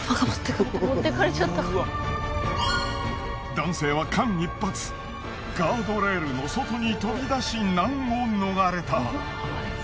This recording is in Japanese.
男性は間一髪ガードレールの外に飛び出し難を逃れた。